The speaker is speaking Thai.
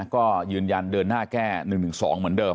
ก็ยืนยันเดินหน้าแก้๑๑๒เหมือนเดิม